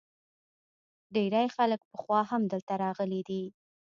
ډیری خلک پخوا هم دلته راغلي دي